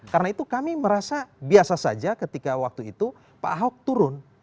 karena itu kami merasa biasa saja ketika waktu itu pak ahok turun